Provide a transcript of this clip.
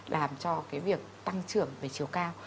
làm cho cái việc tăng trưởng về chiều cao